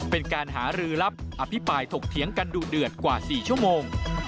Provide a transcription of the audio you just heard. เป็นการหารือลับอภิปรายถกเถียงกันดูเดือดกว่า๔ชั่วโมง